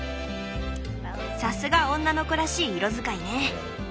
さすが女の子らしい色使いね。